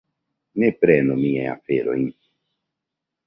Ne prenu miajn aferojn!